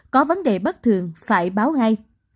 có vấn đề bất thường phải báo ngay